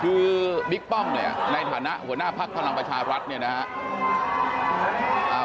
คือบิ๊กป้อมเนี่ยในฐานะหัวหน้าภักดิ์พลังประชารัฐเนี่ยนะครับ